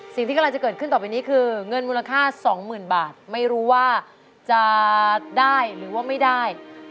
สิ่งที่กำลังจะเกิดขึ้นต่อไปนี้คือเงินมูลค่าสองหมื่นบาทไม่รู้ว่าจะได้หรือว่าไม่ได้